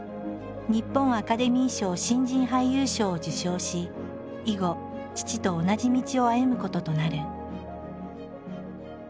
日本アカデミー賞新人俳優賞を受賞し以後父と同じ道を歩むこととなる。